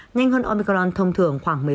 nhanh hơn omicron thông thường khoảng một mươi